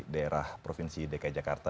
daerah provinsi dki jakarta